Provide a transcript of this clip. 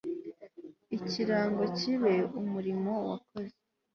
ikirango kibe umurimo wakoze